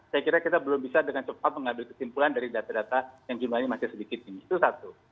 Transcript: saya kira kita belum bisa dengan cepat mengambil kesimpulan dari data data yang jumlahnya masih sedikit tinggi itu satu